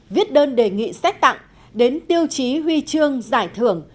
viết đơn đề nghị xét tặng đến tiêu chí huy chương giải thưởng